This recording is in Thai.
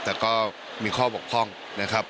แต่ก็มีข้อบกพร่องนะครับ